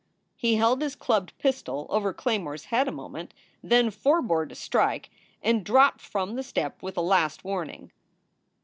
He held his clubbed pistol over Claymore s head a moment, then forbore to strike, and dropped from the step with a last warning.